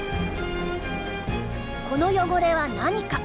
この汚れは何か？